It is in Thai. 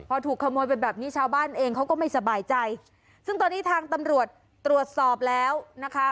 พอถูกขโมยไปแบบนี้ชาวบ้านเองเขาก็ไม่สบายใจซึ่งตอนนี้ทางตำรวจตรวจสอบแล้วนะคะ